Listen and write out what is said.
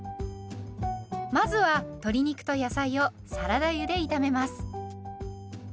まずは鶏肉と野菜をサラダ油で炒めます。